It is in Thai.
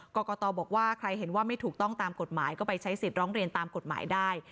กรกตบอกว่าใครเห็นว่าไม่ถูกต้องตามกฎหมายก็ไปใช้สิทธิ์ร้องเรียนตามกฎหมายได้